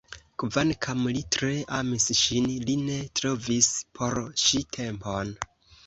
Kvankam li tre amis ŝin, li ne trovis por ŝi tempon.